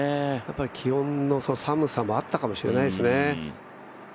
やっぱり気温の寒さもあったかもしれないですね。